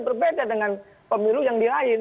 berbeda dengan pemilu yang di lain